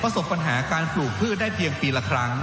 สบปัญหาการปลูกพืชได้เพียงปีละครั้ง